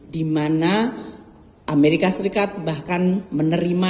di mana amerika serikat bahkan menerima